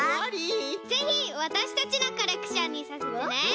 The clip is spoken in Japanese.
ぜひわたしたちのコレクションにさせてね！